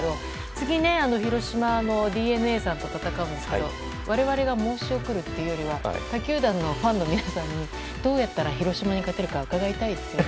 次、広島はＤｅＮＡさんと戦うんですが我々が申し送るというよりは他球団のファンの皆さんにどうやったら広島に勝てるか伺いたいなと。